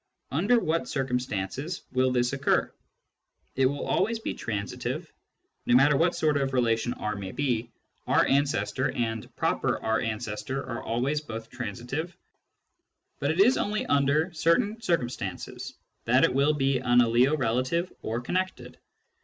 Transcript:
Under what circumstances will this occur ? It will always be transitive : no matter what sort of relation R may be, " R ancestor ' and " proper R ancestor " are always both transitive. But it is only under certain circum stances that it will be an aliorelative or connected.